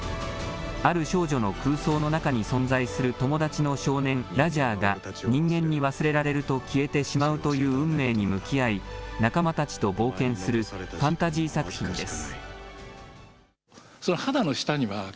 ある少女の空想の中に存在する友達の少年、ラジャーが、人間に忘れられると消えてしまうという運命に向き合い、仲間たちと冒険するファンタジー作品です。